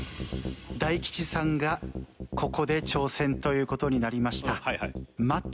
大吉さんがここで挑戦という事になりました。